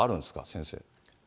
先生。